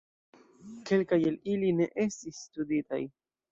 Kelkaj el ili ne estis studitaj.